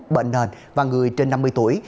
bệnh nền và người trên năm mươi tuổi